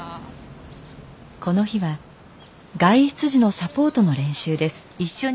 この日は外出時のサポートの練習です。